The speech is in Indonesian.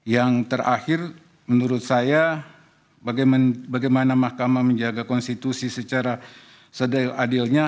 yang terakhir menurut saya bagaimana mahkamah menjaga konstitusi secara sedel adilnya